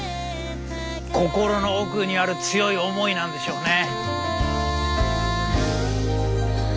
心の奥にある強い思いなんでしょうね。